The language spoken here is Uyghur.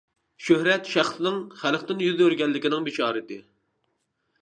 شۆھرەت شەخسنىڭ خەلقتىن يۈز ئۆرۈگەنلىكىنىڭ بېشارىتى.